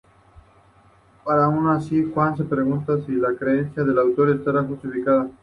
Pero aun así, Juan se pregunta si la creencia del autor estará justificada.